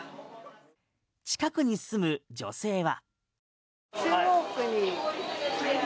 近くに住む女性は。